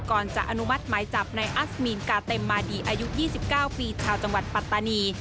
ก่อนจะอนุมัติหมายจับในอัสมีนกาเต็มมาดีอายุ๒๙ปีชาวจังหวัดปัตตานี